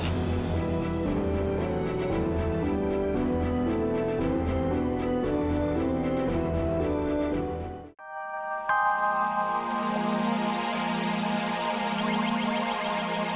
sampai jumpa lagi